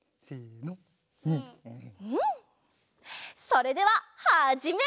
それでははじめ！